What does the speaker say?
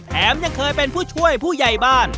ยังเคยเป็นผู้ช่วยผู้ใหญ่บ้าน